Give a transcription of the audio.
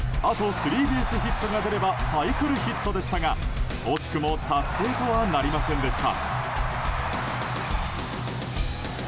スリーベースヒットが出ればサイクルヒットでしたが惜しくも達成とはなりませんでした。